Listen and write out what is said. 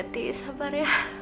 sudah iti sabar